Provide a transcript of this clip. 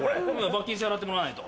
罰金支払ってもらわないと。